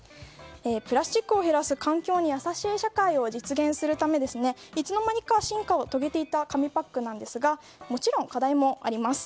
プラスチックを減らす環境に優しい社会を実現するために、いつの間にか進化を遂げていた紙パックですがもちろん、課題もあります。